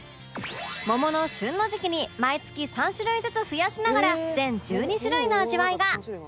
桃の旬の時期に毎月３種類ずつ増やしながら全１２種類の味わいが